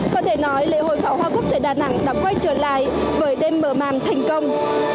có thể nói lễ hội pháo hoa quốc tại đà nẵng đã quay trở lại với đêm mở màn thành công